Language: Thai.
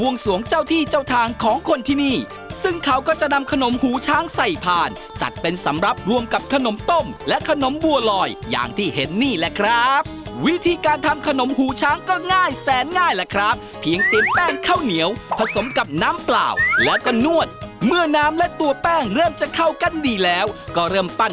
วงเจ้าที่เจ้าทางของคนที่นี่ซึ่งเขาก็จะนำขนมหูช้างใส่ผ่านจัดเป็นสำหรับรวมกับขนมต้มและขนมบัวลอยอย่างที่เห็นนี่แหละครับวิธีการทำขนมหูช้างก็ง่ายแสนง่ายแหละครับเพียงแป้งข้าวเหนียวผสมกับน้ำเปล่าแล้วก็นวดเมื่อน้ำและตัวแป้งเริ่มจะเข้ากันดีแล้วก็เริ่มปั้น